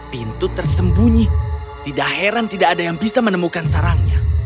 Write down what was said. pintu tersembunyi tidak heran tidak ada yang bisa menemukan sarangnya